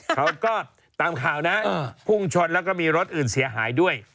เขาก็ตามข่าวพุ่งชนมีรถอื่นเสียหายด้วย